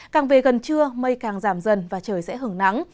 càng về gần trưa mây càng giảm dần và trời sẽ hứng nắng